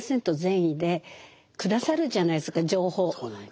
善意で下さるじゃないですか情報を。